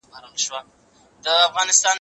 پر طالع دي برابر هغه لوی ښار سي